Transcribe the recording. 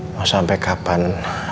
mau sampe kapan